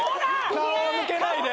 顔を向けないで！